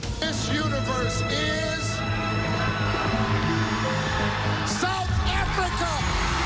สนับสนุนเมืองนี้คือแซวท์แอฟริกา